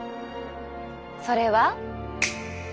それは。